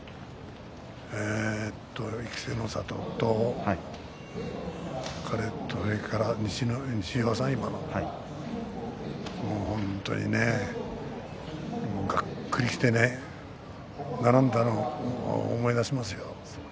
稀勢の里、それから彼と西岩さん、本当にねがっくりきてね並んだのを思い出しますよ。